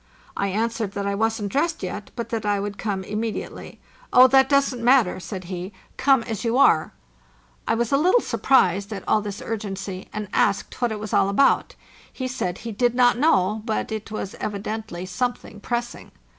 I an swered that I wasn't dressed yet, but that I would come immediately. "Oh, that doesn't matter," said he; "come THE JOURNEY SOUTHWARD 589 ". as you are." I was a little surprised at all this urgency, and asked what it was all about. He said he did not know, but it was evidently something pressing.